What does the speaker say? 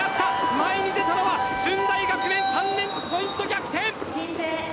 前に出たのは駿台学園３連続ポイント、逆転！